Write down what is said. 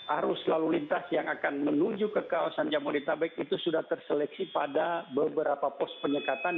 arus lalu lintas yang akan menuju ke kawasan jabodetabek itu sudah terseleksi pada beberapa pos penyekatan